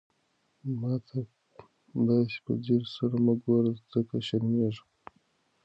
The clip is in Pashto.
ما ته داسې په ځير سره مه ګوره، ځکه شرمېږم.